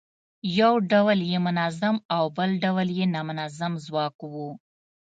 یو ډول یې منظم او بل ډول یې نامنظم ځواک و.